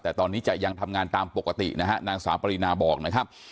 แต่ตอนนี้จะยังทำงานตามปกตินะฮะนางสาวปรินาบอกนะครับ